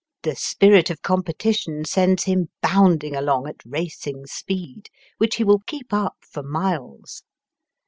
The spirit of competition sends him hounding along at racing speed, which he will keep up for miles.